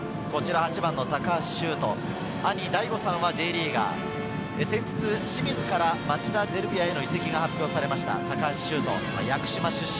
高橋修斗、兄・大悟さんはＪリーガー、先日、清水から町田ゼルビアへの移籍が発表された高橋修斗、屋久島出身。